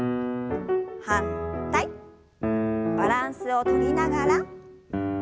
バランスをとりながら。